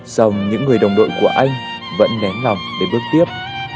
dòng những người đồng đội của anh vẫn nén lòng để bước tiếp